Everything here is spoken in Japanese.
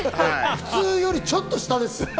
普通よりちょっと下です。